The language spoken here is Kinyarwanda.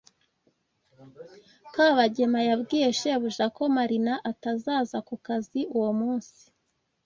Kabagema yabwiye shebuja ko Marina atazaza ku kazi uwo munsi.